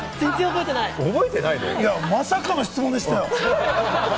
まさかの質問でしたよ。